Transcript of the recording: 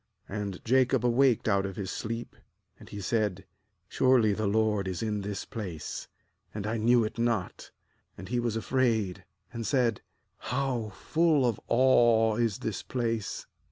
16And Jacob awaked out of his sleep, and he said: 'Surely the LORD is in this place; and I knew^it not.' 17And he was afraid, and said: 'How full of awe is this place!